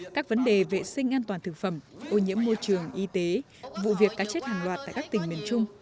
các vấn đề vệ sinh an toàn thực phẩm ô nhiễm môi trường y tế vụ việc cá chết hàng loạt tại các tỉnh miền trung